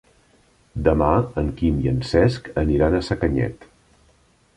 Demà en Quim i en Cesc aniran a Sacanyet.